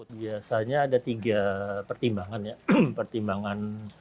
biasanya ada tiga pertimbangan